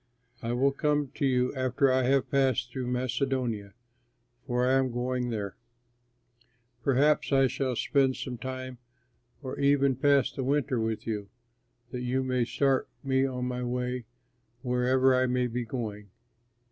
I will come to you after I have passed through Macedonia, for I am going there. Perhaps I shall spend some time, or even pass the winter with you, that you may start me on my way, wherever I may be going.